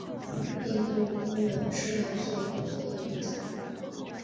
印度拥有数量最多印度教徒。